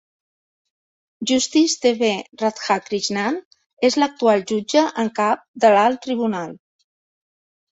Justice T B Radhakrishnan és l'actual jutge en cap de l'Alt Tribunal.